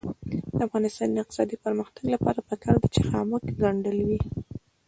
د افغانستان د اقتصادي پرمختګ لپاره پکار ده چې خامک ګنډل وي.